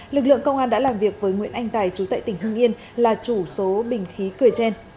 lực lượng công an đã làm việc với nguyễn anh tài chú tại tỉnh hưng yên là chủ số bình khí cười trên